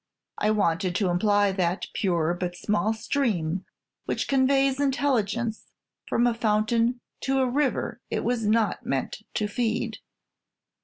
I wanted to imply that pure but small stream which conveys intelligence from a fountain to a river it was not meant to feed.